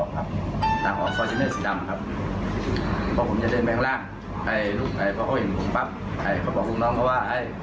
กลุ่มผู้เสียชีวิตกำลังจะพาพวกมาอุ้ม